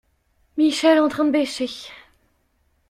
Michel en train de bêcher.